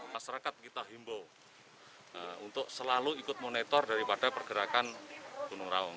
masyarakat kita himbau untuk selalu ikut monitor daripada pergerakan gunung raung